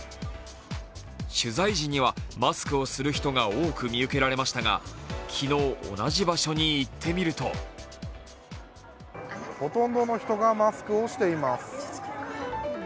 取材時にはマスクをする人が多く見受けられましたが、昨日、同じ場所に行ってみるとほとんどの人がマスクをしています。